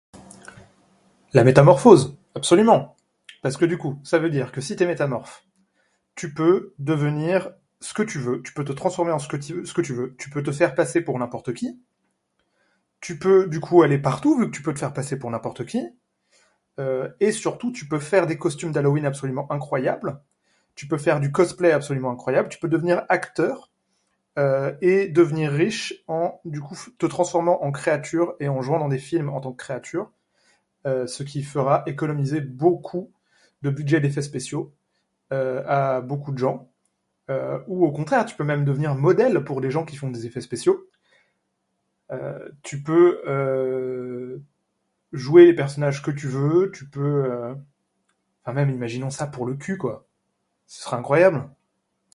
La métamorphose, absolument ! Parce que du coup ça veut dire que si t'es métamorphe tu peux devenir ce que tu veux. Tu peux te transformer en ce que tu veux. Tu peux te faire passer pour n'importe qui. Tu peux, du coup, aller partout vu que tu peux te faire passer pour n'importe qui. Heu, et surtout tu peux faire des costumes d’Halloween absolument incroyables. Tu peux faire du cosplay absolument incroyables. Tu peux devenir acteur et devenir riche en, du coup, te transformant en créature et en jouant dans des films en tant que créature ce qui fera économiser beaucoup de budget d'effets spéciaux à beaucoup de gents. Ou, au contraire, tu peux même devenir modèle pour des gents qui font des effets spéciaux. Tu peux jouer les personnages que tu veux, tu peux... même imaginons ça pour le cul, quoi ? Ce serait incroyable !